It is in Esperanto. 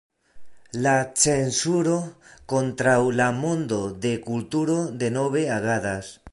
La cenzuro kontraŭ la mondo de kulturo denove agadas.